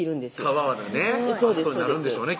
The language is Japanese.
たわわなバストになるんでしょうね